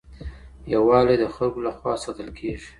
يووالی د خلګو لخوا ساتل کېږي.